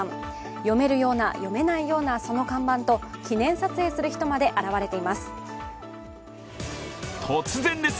読めるような、読めないようなその看板と記念撮影する人まで現れています。